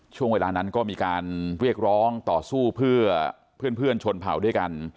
ช่วงเวลานั้นก็มีการเรียกร้องต่อสู้เพื่อเพื่อนชนเผาด้วยกัน